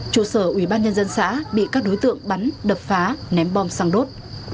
chủ sở ubnd xã bị các đối tượng bắn đập phá ném bom xăng đốt